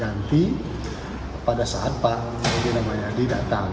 nanti pada saat pak edi rahmayadi datang